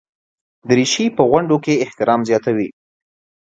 دریشي په غونډو کې احترام زیاتوي.